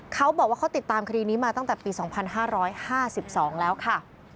เขาบอกว่าเขาติดตามคดีนี้มาตั้งแต่ปี๒๕๕๒แล้วค่ะ